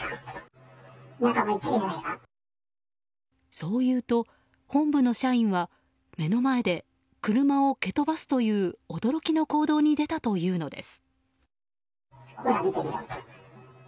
そう言うと、本部の社員は目の前で車を蹴飛ばすという驚きの行動に出たというのです。